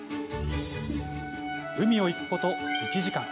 海を行くこと１時間。